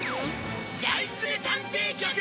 ジャイスネ探偵局！